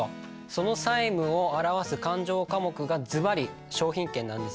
その債務を表す勘定科目がずばり商品券なんですね。